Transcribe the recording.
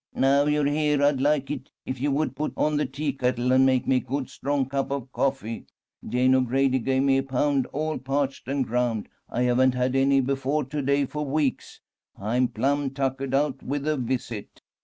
"Now you're here I'd like it if you would put on the teakettle and make me a good strong cup of coffee. Jane O'Grady gave me a pound, all parched and ground. I haven't had any before to day for weeks. I'm plumb tuckered out with the visit."